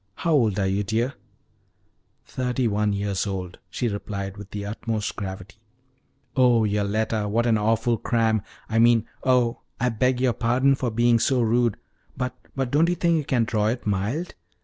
How old are you, dear?" "Thirty one years old," she replied, with the utmost gravity. "Oh, Yoletta, what an awful cram! I mean oh, I beg your pardon for being so rude! But but don't you think you can draw it mild?